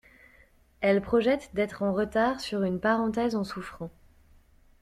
Elles projettent d'être en retard sur une parenthèse en souffrant.